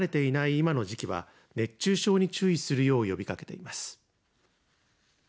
今の時期は熱中症に注意するよう呼びかけています。